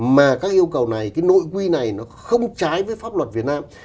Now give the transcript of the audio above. mà các yêu cầu này cái nội quy này nó không trái với pháp luật việt nam